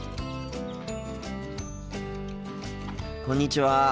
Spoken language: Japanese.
こんにちは。